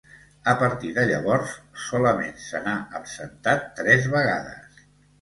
A partir de llavors, solament se n'ha absentat tres vegades.